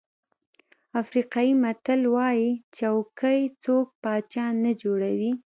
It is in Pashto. افریقایي متل وایي چوکۍ څوک پاچا نه جوړوي.